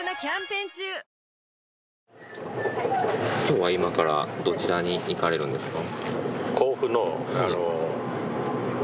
今日は今からどちらに行かれるんですか？